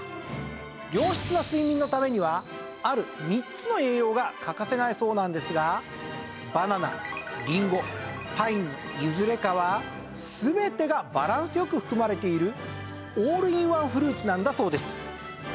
良質な睡眠のためにはある３つの栄養が欠かせないそうなんですがバナナりんごパインのいずれかは全てがバランス良く含まれているオールインワンフルーツなんだそうです。